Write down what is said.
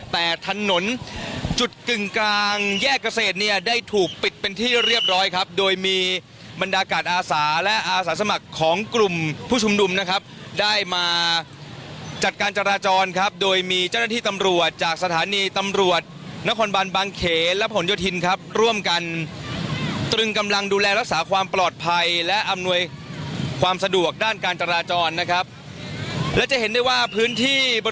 แต่ถนนจุดกึ่งกลางแยกเกษตรเนี่ยได้ถูกปิดเป็นที่เรียบร้อยครับโดยมีบรรดากาศอาสาและอาสาสมัครของกลุ่มผู้ชุมนุมนะครับได้มาจัดการจราจรครับโดยมีเจ้าหน้าที่ตำรวจจากสถานีตำรวจนครบันบางเขนและผลโยธินครับร่วมกันตรึงกำลังดูแลรักษาความปลอดภัยและอำนวยความสะดวกด้านการจราจรนะครับและจะเห็นได้ว่าพื้นที่บ